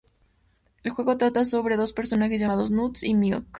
El juego trata sobre dos personajes llamados Nuts y Milk.